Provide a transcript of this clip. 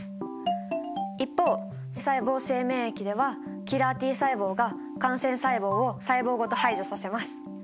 一方細胞性免疫ではキラーＴ細胞が感染細胞を細胞ごと排除させます。